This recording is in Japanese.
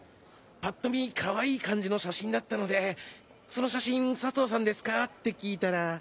ぱっと見かわいい感じの写真だったので「その写真佐藤さんですか？」って聞いたら。